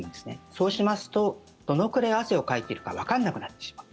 そうしますとどのくらい汗をかいているかわからなくなってしまう。